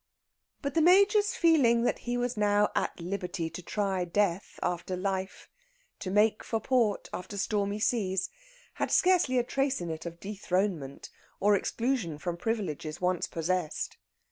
But the Major's feeling that he was now at liberty to try Death after Life, to make for port after stormy seas, had scarcely a trace in it of dethronement or exclusion from privileges once possessed.